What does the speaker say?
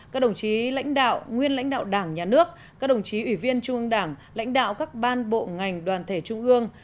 các đồng chí lãnh đạo nguyên lãnh đạo đảng nhà nước các đồng chí ủy viên trung ương đảng lãnh đạo các ban bộ ngành đoàn thể trung ương